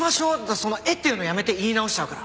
その「えっ？」っていうのやめて言い直しちゃうから。